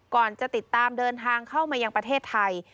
ก่อนจะติดตามเดินทางเข้ามายังประเทศไทย